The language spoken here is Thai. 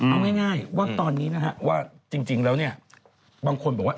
เอาง่ายว่าตอนนี้นะฮะว่าจริงแล้วเนี่ยบางคนบอกว่า